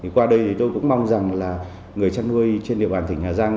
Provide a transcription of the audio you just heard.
qua đây tôi cũng mong rằng là người chăn nuôi trên địa bàn thỉnh hà giang